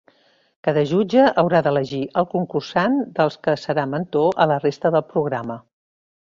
Cada jutge haurà d'elegir al concursant dels que serà mentor a la resta del programa.